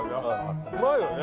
うまいよね？